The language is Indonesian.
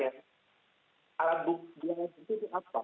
alat bukti itu apa